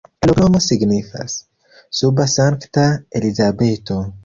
La loknomo signifas: suba-Sankta-Elizabeto.